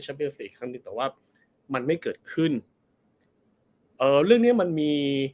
เบลสอีกครั้งหนึ่งแต่ว่ามันไม่เกิดขึ้นเอ่อเรื่องเนี้ยมันมี